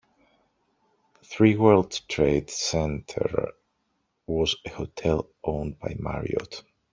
Three World Trade center was a hotel owned by Marriott.